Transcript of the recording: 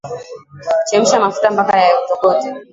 Chemsha mafuta mpaka yatokote